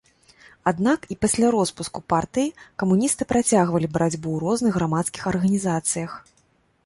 Аднак і пасля роспуску партыі камуністы працягвалі барацьбу ў розных грамадскіх арганізацыях.